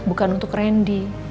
bukan untuk randy